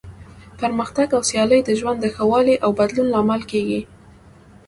پرمختګ او سیالي د ژوند د ښه والي او بدلون لامل کیږي.